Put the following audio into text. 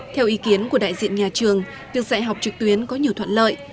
theo ý kiến của đại diện nhà trường việc dạy học trực tuyến có nhiều thuận lợi